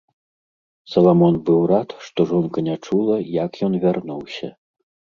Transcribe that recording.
Саламон быў рад, што жонка не чула, як ён вярнуўся.